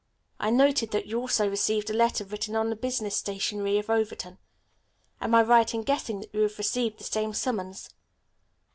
"I noted that you also received a letter written on the business stationery of Overton. Am I right in guessing that you have received the same summons?"